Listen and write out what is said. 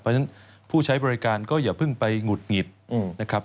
เพราะฉะนั้นผู้ใช้บริการก็อย่าเพิ่งไปหงุดหงิดนะครับ